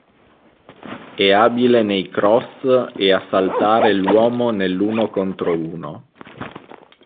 È abile nei cross e a saltare l'uomo nell'uno contro uno.